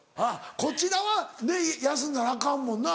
こちらは休んだらアカンもんな。